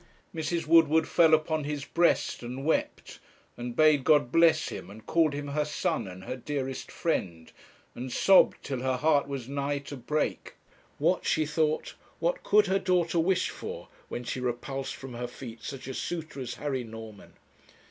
Mrs. Woodward fell upon his breast and wept, and bade God bless him, and called him her son and her dearest friend, and sobbed till her heart was nigh to break. 'What,' she thought, 'what could her daughter wish for, when she repulsed from her feet such a suitor as Harry Norman?'